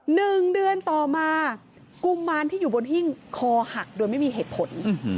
หนึ่งเดือนต่อมากุมารที่อยู่บนหิ้งคอหักโดยไม่มีเหตุผล